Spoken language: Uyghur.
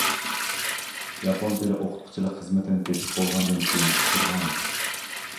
ياپون تىلى ئوقۇتقۇچىلىق خىزمىتىنى تېپىپ بولغاندىن كېيىن ئۇقتۇرغانىدى.